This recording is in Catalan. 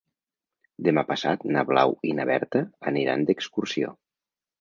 Demà passat na Blau i na Berta aniran d'excursió.